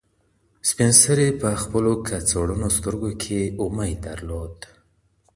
سپین سرې په خپل کڅوړنو سترګو کې امید درلود.